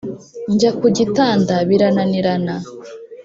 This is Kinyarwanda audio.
Njya ku gitanda birananirana.